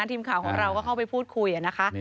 ทีมข่าวของเราก็เข้าไปพูดคุยนะคะ